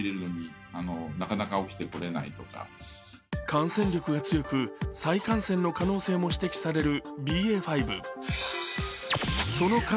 感染力が強く再感染の可能性も指摘されるＢＡ．５。